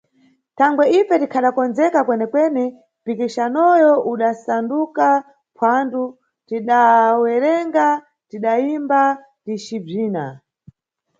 Thangwe ife tikhadakondzeka kwenekwene, mpikisanoyo udasanduka phwando: tidawerenga, tidayimba ticibzina.